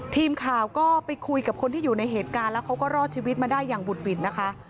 ทีมข่าวก็ไปคุยกับคนที่อยู่ในเหตุการณ์แล้วเขาก็รอดชีวิตมาได้อย่างบุดหวิดนะคะ